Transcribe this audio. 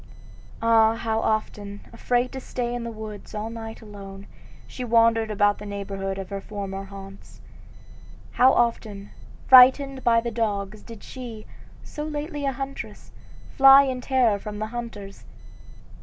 Ah, how often, afraid to stay in the woods all night alone, she wandered about the neighborhood of her former haunts; how often, frightened by the dogs, did she, so lately a huntress, fly in terror from the hunters!